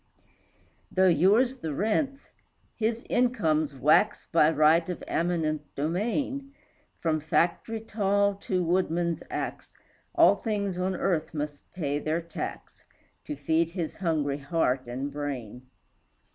Though yours the rents, his incomes wax By right of eminent domain; From factory tall to woodman's axe, All things on earth must pay their tax, To feed his hungry heart and brain.